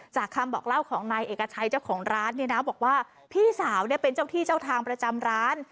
คำบอกเล่าของนายเอกชัยเจ้าของร้านเนี่ยนะบอกว่าพี่สาวเนี่ยเป็นเจ้าที่เจ้าทางประจำร้าน